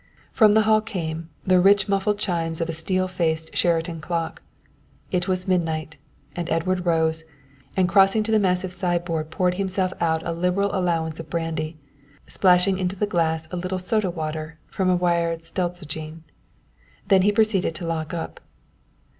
From the hall came, the rich muffled chimes of a steel faced Sheraton clock. It was midnight, and Edward rose, and crossing to the massive sideboard poured himself out a liberal allowance of brandy, splashing into the glass a little soda water from a wired seltzogene. Then he proceeded to lock up.